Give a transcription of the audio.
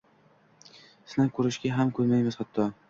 Sinab ko‘rishga ham ko‘nmaymiz, hatto.